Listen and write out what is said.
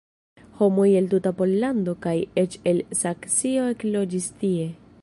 Homoj el tuta Pollando kaj eĉ el Saksio ekloĝis tie.